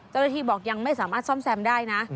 เจ้าหน้าที่บอกยังไม่สามารถซ่อมแซมได้นะ